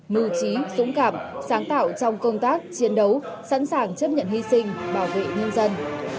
mưu trí dũng cảm sáng tạo trong công tác chiến đấu sẵn sàng chấp nhận hy sinh bảo vệ nhân dân